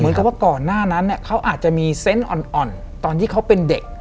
เหมือนกับว่าก่อนหน้านั้นเนี่ยเขาอาจจะมีเซนต์อ่อนตอนที่เขาเป็นเด็ก